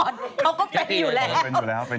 เดี๋ยวก่อนเขาก็เป็นอยู่แล้ว